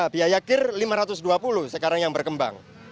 biaya kir lima ratus dua puluh sekarang yang berkembang